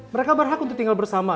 mereka berhak untuk tinggal bersama